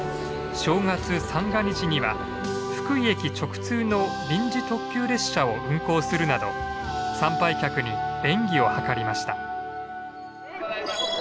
正月三が日には福井駅直通の臨時特急列車を運行するなど参拝客に便宜を図りました。